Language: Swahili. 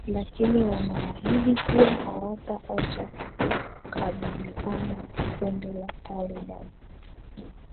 lakini wanahaidi kuwa hawataacha kukabiliana kundi la taliban